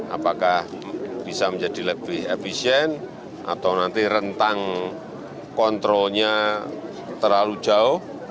apakah bisa menjadi lebih efisien atau nanti rentang kontrolnya terlalu jauh